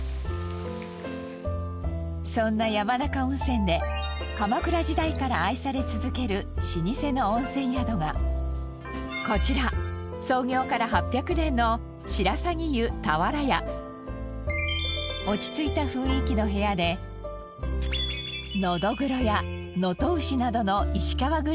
そんな山中温泉で鎌倉時代から愛され続ける老舗の温泉宿がこちら落ち着いた雰囲気の部屋でノドグロや能登牛などの石川グルメに舌鼓。